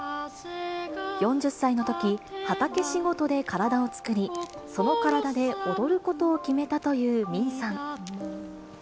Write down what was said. ４０歳のとき、畑仕事で体を作り、その体で踊ることを決めたという泯さん。